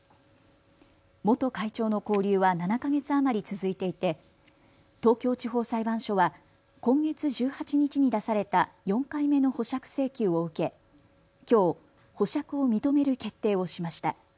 元会長の勾留は７か月余り続いていて東京地方裁判所は今月１８日に出された４回目の保釈請求を受けきょう保釈を認める決定をしました。